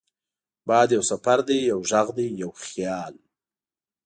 باد یو سفر دی، یو غږ دی، یو خیال